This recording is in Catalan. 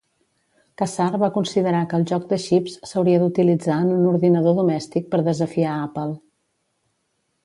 Kassar va considerar que el joc de xips s'hauria d'utilitzar en un ordinador domèstic per desafiar Apple.